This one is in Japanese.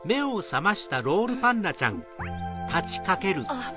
あっ。